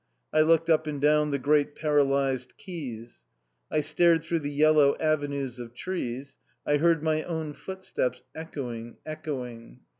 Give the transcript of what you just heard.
I looked up and down the great paralysed quays. I stared through the yellow avenues of trees. I heard my own footsteps echoing, echoing.